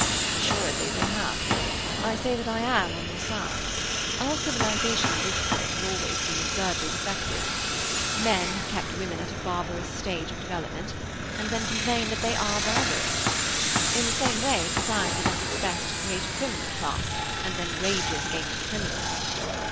"Assuredly they have. I say that I am on your side. Our civilization in this point has always been absurdly defective. Men have kept women at a barbarous stage of development, and then complain that they are barbarous. In the same way society does its best to create a criminal class, and then rages against the criminals.